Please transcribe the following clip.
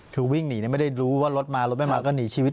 คือวิ่งหนีไม่ได้รู้ว่ารถมารถไม่มาก็หนีชีวิต